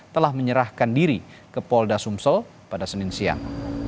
telah menyerahkan diri ke polda sumsel pada senin siang